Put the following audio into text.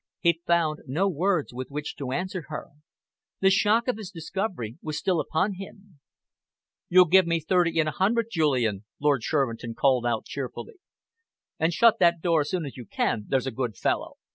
He found no words with which to answer her. The shock of his discovery was still upon him. "You'll give me thirty in a hundred, Julian," Lord Shervinton called out cheerfully. "And shut that door as soon as you can, there's a good fellow.